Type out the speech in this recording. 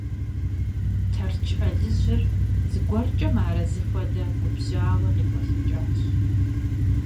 Тэрч Ӏэлыжьыр, зыгуэркӀэ мыарэзы хуэдэ, губжьауэ къикъуэлъыкӀащ…